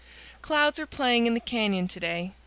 Clouds are playing in the canyon to day.